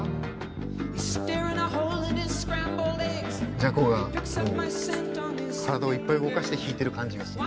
Ｊａｃｏが体をいっぱい動かして弾いてる感じがする。